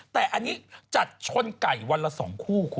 แต่อันนี้จัดชนไก่วันละ๒คู่คุณ